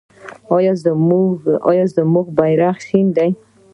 زموږ بیرغ شنه دی.